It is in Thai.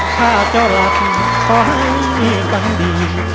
ข้าจะหลับขอให้มีฝันดี